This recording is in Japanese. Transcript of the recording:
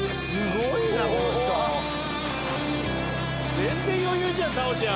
全然余裕じゃん太鳳ちゃん